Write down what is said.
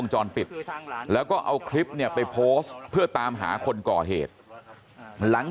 จรปิดแล้วก็เอาคลิปเนี่ยไปโพสต์เพื่อตามหาคนก่อเหตุหลัง